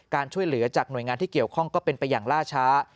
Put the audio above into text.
ช่วยเหลือจากหน่วยงานที่เกี่ยวข้องก็เป็นไปอย่างล่าช้า